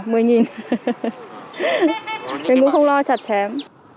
mình cũng không lo chặt chém